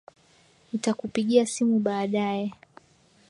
Nitakupigia simu baadaye.